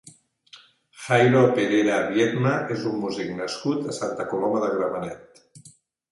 Jairo Perera Viedma és un músic nascut a Santa Coloma de Gramenet.